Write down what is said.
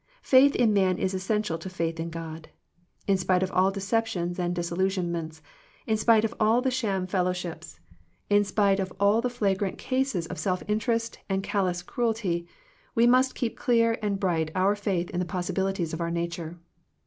Faith in man is essential to faith in God. In spite of all deceptions and disillusion ments, in spite of all the sham fellow 24 Digitized by VjOOQIC THE MIRACLE OF FRIENDSHIP ships, in spite of the flagrant cases of self interest and callous cruelty, we must keep clear and bright our faith in the possibilities of our nature.